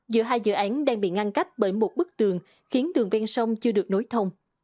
giữa hai dự án đang bị ngăn cách bởi một bức tường khiến đường ven sông chưa được nối thông